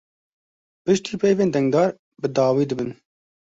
Piştî peyvên dengdar bi dawî dibin.